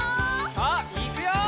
さあいくよ！